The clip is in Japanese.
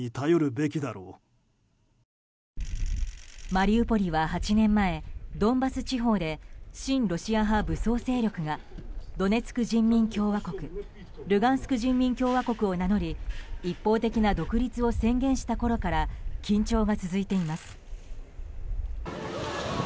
マリウポリは８年前ドンバス地方で親ロシア派武装勢力がドネツク人民共和国ルガンスク人民共和国を名乗り一方的な独立を宣言したころから緊張が続いています。